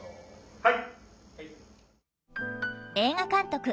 はい！